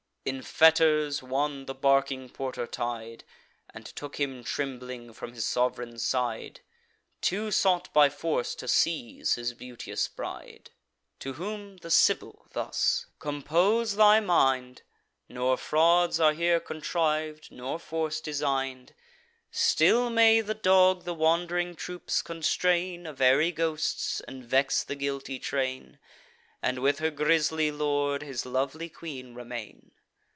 In fetters one the barking porter tied, And took him trembling from his sov'reign's side: Two sought by force to seize his beauteous bride." To whom the Sibyl thus: "Compose thy mind; Nor frauds are here contriv'd, nor force design'd. Still may the dog the wand'ring troops constrain Of airy ghosts, and vex the guilty train, And with her grisly lord his lovely queen remain.